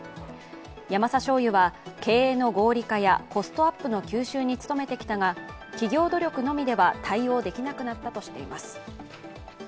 ヤマサ醤油は、経営の合理化やコストアップの吸収に努めてきたが企業努力のみでは対応できなくなったとしています。